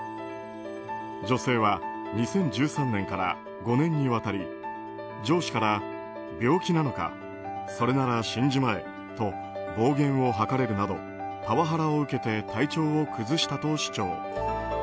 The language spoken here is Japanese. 女性は２０１３年から５年にわたり上司から、病気なのかそれなら死んじまえと暴言を吐かれるなどパワハラを受けて体調を崩したと主張。